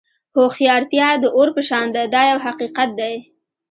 هوښیارتیا د اور په شان ده دا یو حقیقت دی.